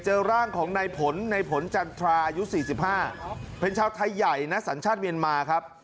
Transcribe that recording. เจอร่างของในผลในผลจันทราอายุ๔๕เป็นชาวไทยใหญ่นะสัญชาติเมียนมาครับ